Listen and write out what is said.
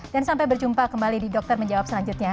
dan sampai berjumpa kembali di dokter menjawab selanjutnya